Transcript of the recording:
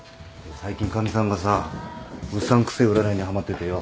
最近かみさんがさうさんくせえ占いにはまっててよ。